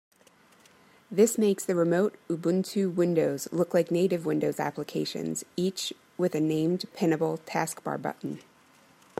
This makes the remote Ubuntu windows look like native Windows applications, each with a named pinnable taskbar button.